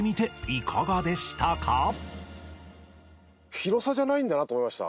広さじゃないんだなと思いました。